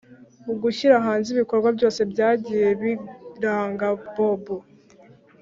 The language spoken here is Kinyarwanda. ugushyira hanze ibikorwa byose byagiye biranga bobo